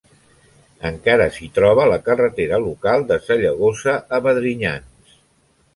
Encara, s'hi troba la carretera local de Sallagosa a Vedrinyans.